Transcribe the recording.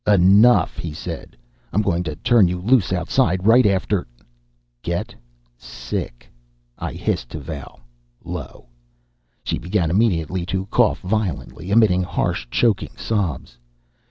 "Enough," he said. "I'm going to turn you loose outside, right after " "Get sick!" I hissed to Val, low. She began immediately to cough violently, emitting harsh, choking sobs.